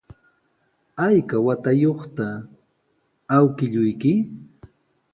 ¿Ayka watayuqta awkilluyki?